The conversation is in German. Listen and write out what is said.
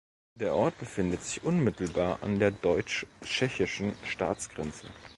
Der Ort befindet sich unmittelbar an der deutsch-tschechischen Staatsgrenze.